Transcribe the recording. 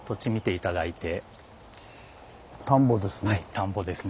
田んぼですね。